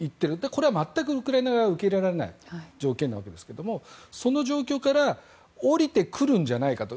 これは全く、ウクライナ側は受け入れられない条件ですがその状況から下りてくるんじゃないかと。